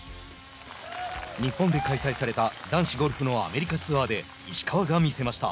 日本で開催された男子ゴルフのアメリカツアーで石川が見せました。